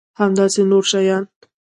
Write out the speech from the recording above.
همداسې نور شیان.